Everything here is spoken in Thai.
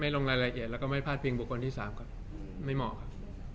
ลงรายละเอียดแล้วก็ไม่พลาดพิงบุคคลที่๓ก็ไม่เหมาะครับ